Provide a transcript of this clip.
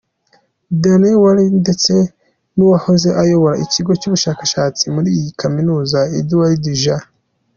Don Warren ndetse n’uwahoze ayobora ikigo cy’ubushakashatsi muri iyi Kaminuza Edward J.